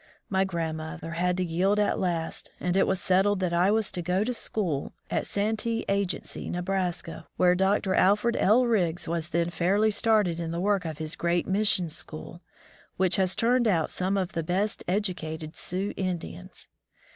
My grandmother had to yield at last, and it was settled that I was to go to school at 29 From the Deep Woods to Cifnlizatian Santee agency, Nebraska, where Dr. Alfred L. Riggs was then fairly started in the work of his great mission school, which has turned out some of the best educated Sioux Indians.